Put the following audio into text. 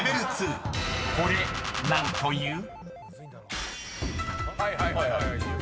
［これ何という？］